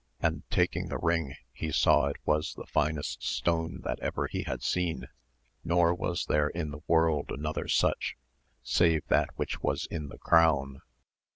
and taking the ring he saw it was the finest stone that ever he had seen, nor was there in the world another such, save that which was in the crown.